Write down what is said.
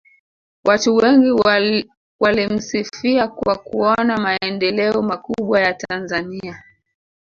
watu wengi walimsifia kwa kuona maendeleo makubwa ya tanzania